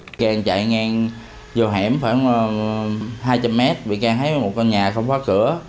vị can chạy ngang vô hẻm khoảng hai trăm linh mét vị can thấy một con nhà không khóa cửa